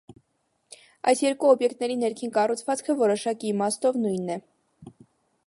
Այս երկու օբյեկտների ներքին կառուցվածքը որոշակի իմաստով նույնն է։